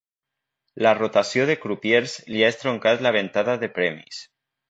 La rotació de crupiers li ha estroncat la ventada de premis.